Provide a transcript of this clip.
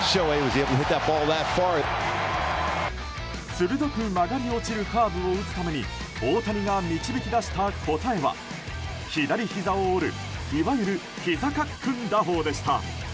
鋭く曲がり落ちるカーブを打つために大谷が導き出した答えは左ひざを折る、いわゆるひざカックン打法でした。